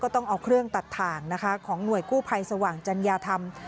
ก็ต้องเอาเครื่องตัดถ่างของหน่วยกู้ไภสว่างจันยธรรม